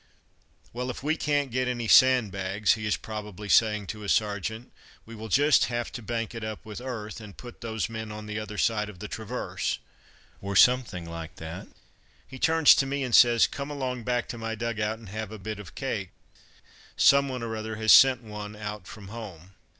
"Well, if we can't get any sandbags," he is probably saying to a sergeant, "we will just have to bank it up with earth, and put those men on the other side of the traverse," or something like that. He turns to me and says, "Come along back to my dug out and have a bit of cake. Someone or other has sent one out from home."